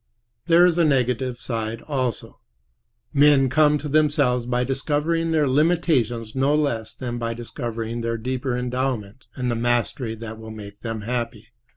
There is a negative side also. Men come to themselves by discovering their limitations no less than by discovering their deeper endowments and the mastery that will make them happy.